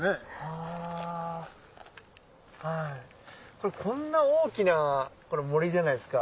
これこんな大きな森じゃないですか。